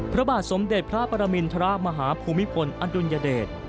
พระบาทสมเด็จพระปรมิญฑราณะมาหาภูมิพลอันตุลยเดช